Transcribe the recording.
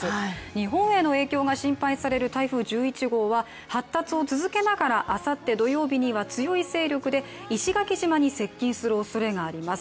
日本への影響が心配される台風１１号は発達を続けながら、あさって土曜日には強い勢力で石垣島に接近するおそれがあります。